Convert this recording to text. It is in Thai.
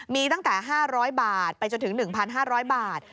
มีตั้งแต่๕๐๐บาทไปจนถึง๑๕๐๐บาท